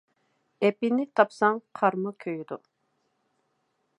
ئېپىنى تاپساڭ قارمۇ كۆيىدۇ.